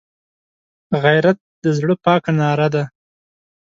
غیرت د زړه پاکه ناره ده